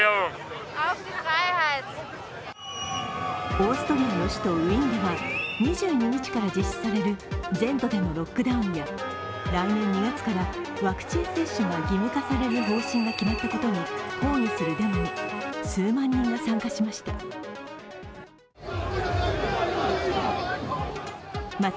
オーストリアの首都ウィーンでは２２日から実施される全土でのロックダウンや来年２月からワクチン接種が義務化される方針が決まったことに抗議するデモに数万人が参加しました。